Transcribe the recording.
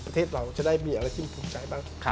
ประเทศเราจะได้มีอะไรซึ่งภูมิใจบ้าง